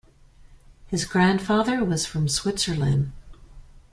His grandfather was from Switzerland.